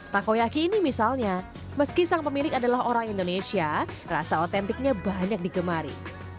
takoyakini misalnya meski sang pemilik adalah orang indonesia rasa otentiknya banyak digemari